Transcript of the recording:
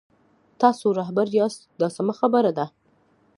تاسو رهبر یاست دا سمه خبره ده.